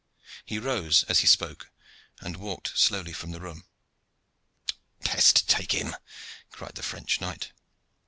He rose as he spoke, and walked slowly from the room. "Pest take him!" cried the French knight.